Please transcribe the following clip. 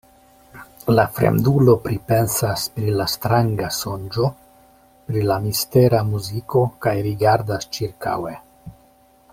La fremdulo pripensas pri la stranga sonĝo, pri la mistera muziko kaj rigardas ĉirkaŭe.